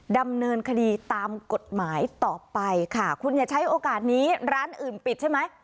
ดำเนินคดีตามกฎหมายต่อไปค่ะคุณอย่าใช้โอกาสนี้ร้านอื่นปิดใช่ไหม